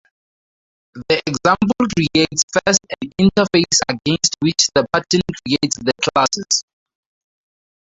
The example creates first an interface against which the pattern creates the classes.